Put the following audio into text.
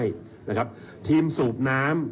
ทีมสูบน้ำสำคัญทั้งทีมสูบน้ำในถ้ำ